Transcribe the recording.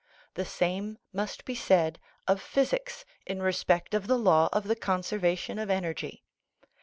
The same must be said of physics in respect of the law of the conservation of energy.